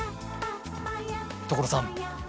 所さん！